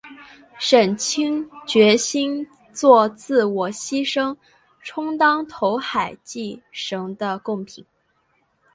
沈清决心作自我牺牲充当投海祭神的供品。